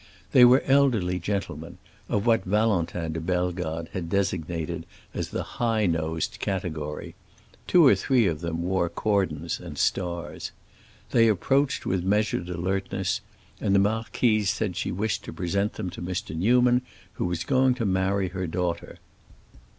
They were elderly gentlemen, of what Valentin de Bellegarde had designated as the high nosed category; two or three of them wore cordons and stars. They approached with measured alertness, and the marquise said that she wished to present them to Mr. Newman, who was going to marry her daughter.